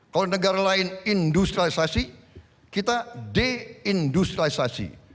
kalau negara lain industrialisasi kita deindustrialisasi